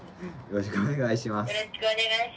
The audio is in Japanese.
よろしくお願いします。